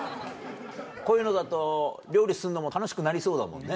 こういうのだと料理すんのも楽しくなりそうだもんね。